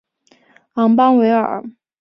昂邦维尔。